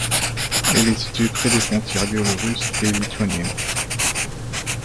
Elle est située près des frontières biélorusse et lituanienne.